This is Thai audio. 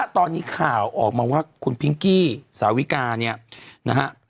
ตอนนี้ข่าวออกมาว่าคุณพิงกี้สาวิกาเนี่ยนะฮะ